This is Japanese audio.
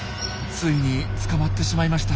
ついに捕まってしまいました。